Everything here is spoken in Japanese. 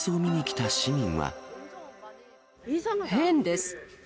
変です。